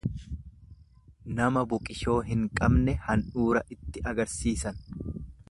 Nama buqishoo hin beekne handhuura itti agarsiisan.